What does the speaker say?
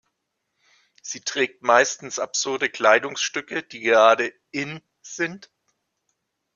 Sie trägt meistens absurde Kleidungsstücke, die gerade „in“ sind.